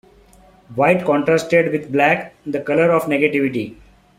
White contrasted with black, the color of negativity.